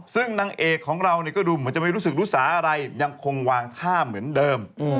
ซึ่งนางเอกของเราก็ดูเหมือนจะไม่รู้สึกรู้สาอะไรยังคงวางท่าเหมือนเดิม